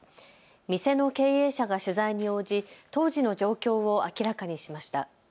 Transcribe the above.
店の経営者が取材に応じ当時の状況を明らかにしました。